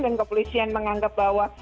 dan kepolisian menganggap bahwa